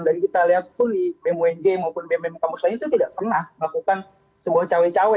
dan kita lihat pun di bem unj maupun bem bem kampus lain itu tidak pernah melakukan sebuah cawe cawe